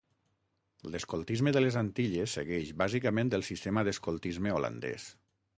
L'"escoltisme de les Antilles" segueix bàsicament el sistema d'escoltisme holandès.